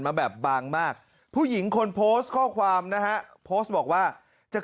มาแบบบางมากผู้หญิงคนโพสต์ข้อความนะฮะโพสต์บอกว่าจะ